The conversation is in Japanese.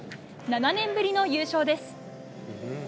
７年ぶりの優勝です。